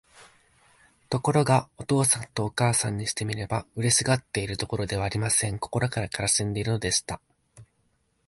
ところが、お父さんとお母さんにしてみれば、嬉しがっているどころではありません。心から悲しんでいるのでした。